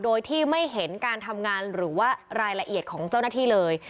โดยที่ไม่เห็นการทำงานหรือว่ารายละเอียดของเจ้าหน้าที่เลย